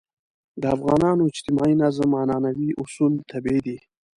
د افغانانو اجتماعي نظم عنعنوي اصول طبیعي دي.